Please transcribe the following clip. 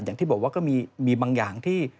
อย่างที่บอกว่าก็มีบางอย่างที่